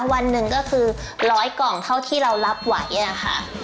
วันหนึ่งก็คือ๑๐๐กล่องเท่าที่เรารับไหวนะคะ